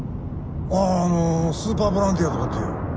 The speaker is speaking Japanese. あのスーパーボランティアとかっていう。